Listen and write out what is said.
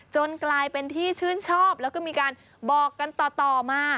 กลายเป็นที่ชื่นชอบแล้วก็มีการบอกกันต่อมา